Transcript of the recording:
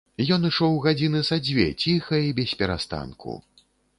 Ён ішоў гадзіны са дзве ціха і бесперастанку.